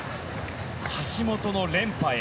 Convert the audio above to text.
橋本の連覇へ。